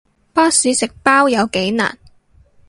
巴士食包有幾難